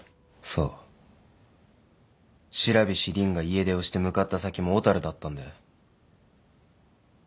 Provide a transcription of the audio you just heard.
そう白菱凜が家出をして向かった先も小樽だったんだよ。